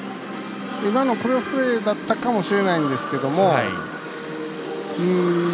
今のクロスプレーだったかもしれないんですけど。